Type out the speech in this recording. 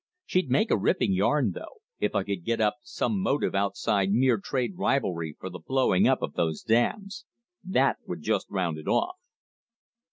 She'd make a ripping yarn, though, if I could get up some motive outside mere trade rivalry for the blowing up of those dams. That would just round it off."